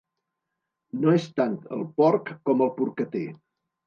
No és tant el porc com el porcater.